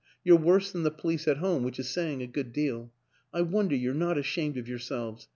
You're worse than the police at home, which is saying a good deal. I wonder you're not ashamed of yourselves.